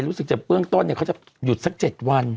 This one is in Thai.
รู้สึกจะเบื้องต้นเขาจะหยุดสัก๗วัน